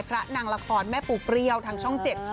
พระนางละครแม่ปูเปรี้ยวทางช่องเจ็ด